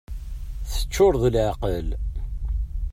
Teččur d leɛqel.